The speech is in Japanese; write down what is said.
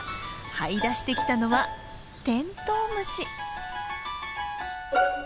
はい出してきたのはテントウムシ。